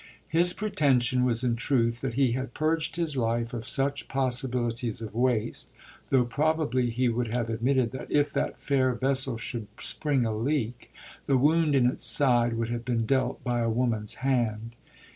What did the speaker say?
His pretension was in truth that he had purged his life of such possibilities of waste, though probably he would have admitted that if that fair vessel should spring a leak the wound in its side would have been dealt by a woman's hand.